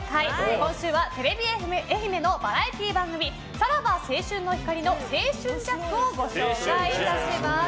今週はテレビ愛媛のバラエティー番組「さらば青春の光の青春ジャック」をご紹介いたします。